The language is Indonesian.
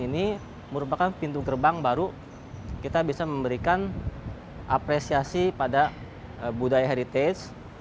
ini merupakan pintu gerbang baru kita bisa memberikan apresiasi pada budaya heritage